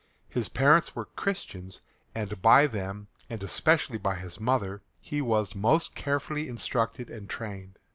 His parents were Christians, and by them, and especially by his mother, he was most carefully instructed and trained.